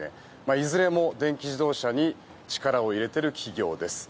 いずれも電気自動車に力を入れている企業です。